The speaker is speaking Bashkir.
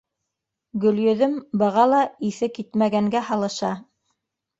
Гөлйөҙөм быға ла иҫе китмәгәнгә һалыша: